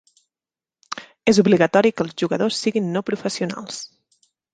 És obligatori que els jugadors siguin no professionals.